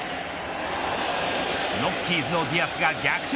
ロッキーズのディアスが逆転